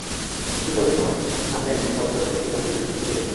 কিন্তু পুরোটা সময় সামনে একজন সহজ, সরল, মেকি গাম্ভীর্যহীন শিল্পীকেই দেখলাম।